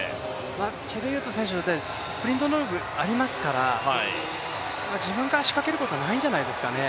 チェルイヨト選手はスプリント能力がありますから自分から仕掛けることはないんじゃないですかね。